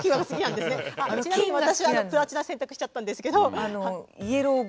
ちなみに私はプラチナ選択しちゃったんですけど。